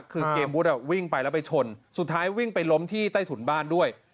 คือเกมวุฒิวิ่งไปแล้วไปชนสุดท้ายวิ่งไปล้มที่ใต้ถุนบ้านด้วย